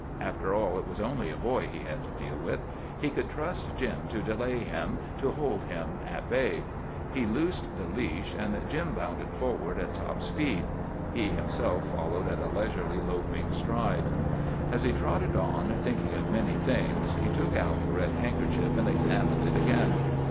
After all, it was only a boy he had to deal with. He could trust Jim to delay him, to hold him at bay. He loosed the leash, and Jim bounded forward at top speed. He himself followed at a leisurely loping stride. As he trotted on, thinking of many things, he took out the red handkerchief and examined it again.